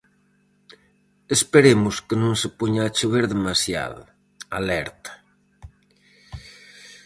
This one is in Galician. "Esperemos que non se poña a chover demasiado", alerta.